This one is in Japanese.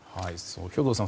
兵頭さん